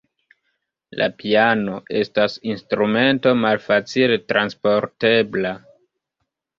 La piano estas instrumento malfacile transportebla.